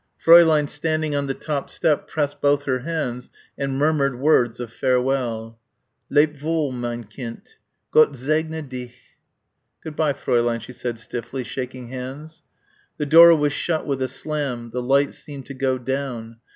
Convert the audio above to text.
Fräulein standing on the top step pressed both her hands and murmured words of farewell. "Leb' wohl, mein Kind, Gott segne dich." "Good bye, Fräulein," she said stiffly, shaking hands. The door was shut with a slam the light seemed to go down.